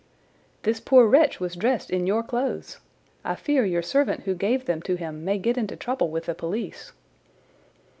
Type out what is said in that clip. "This poor wretch was dressed in your clothes. I fear your servant who gave them to him may get into trouble with the police."